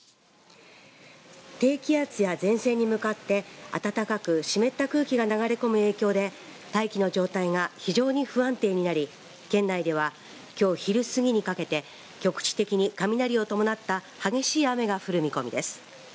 低気圧や前線に向かって暖かく湿った空気が流れ込む影響で大気の状態が非常に不安定になり県内ではきょう昼過ぎにかけて局地的に雷を伴った激しい雨が降る見込みです。